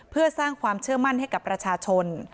เพื่อสร้างความเชื่อมั่นให้กับประชาชน